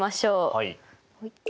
はい。